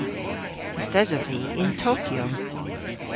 Yth esov vy yn Tokyo.